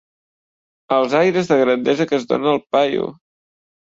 Els aires de grandesa que es dona el paio!